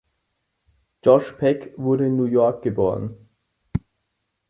Josh Peck wurde in New York geboren.